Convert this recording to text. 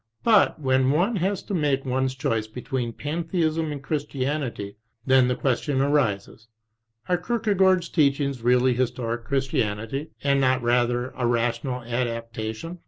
But when one has to make one's choice between Pantheism and Christianity, then the question arises, Are Kierkegaard's teachings really historic Christianity, and not rather a rational adaptation?